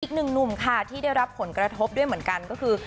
อีกหนึ่งหนุ่มค่ะที่ได้รับผลกระทบด้วยเหมือนกันก็คือ